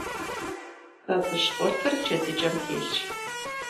Бабыщкъуртыр джэдыкӏэм телъщ.